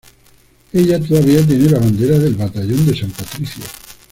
Ella todavía tiene la bandera del Batallón de San Patricio.